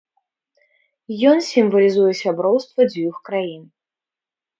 Ён сімвалізуе сяброўства дзвюх краін.